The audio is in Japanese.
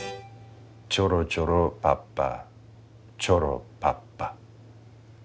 チョロチョロパッパチョロパッパ。